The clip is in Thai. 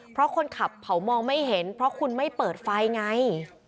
เพราะคนขับเผามองไม่เห็นเพราะคุณไม่เปิดไฟไง